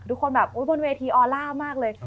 ทุกคนแบบบนเวทีออลล่ามากเลย